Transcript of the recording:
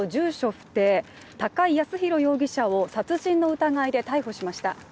不定・高井靖弘容疑者を殺人の疑いで逮捕しました。